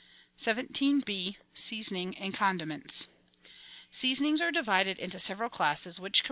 174b— SEASONING AND CONDIMENTS Seasonings are divided into several classes, which com.